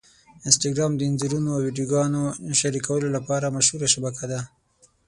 انسټاګرام د انځورونو او ویډیوګانو شریکولو لپاره مشهوره شبکه ده.